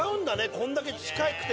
こんだけ近くて。